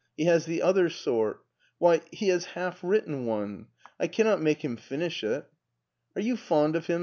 He has the other sort. Why, he has half written one. I can not make him finish it" " Are you fond of him?